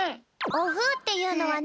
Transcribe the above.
おふっていうのはね